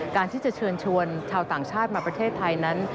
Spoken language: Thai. การที่จะเชิญชวนชาวต่างชาติมาประเทศไทยนั้น